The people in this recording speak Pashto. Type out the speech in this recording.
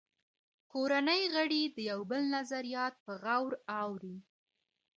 کورنۍ غړي د یو بل نظریات په غور اوري